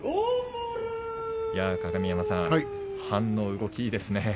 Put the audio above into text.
鏡山さん、反応、動きいいですね。